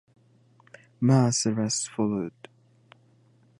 Mass arrests followed.